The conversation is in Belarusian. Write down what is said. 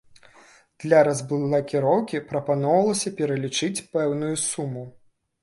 Для разблакіроўкі прапаноўвалася пералічыць пэўную суму.